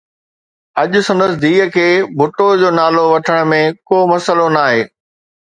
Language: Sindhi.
اڄ سندس ڌيءَ کي ڀٽو جو نالو وٺڻ ۾ ڪو مسئلو ناهي